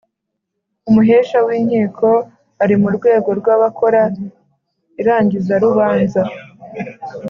Umuhesha w’inkiko ari mu rwego rw’abakora irangizarubanza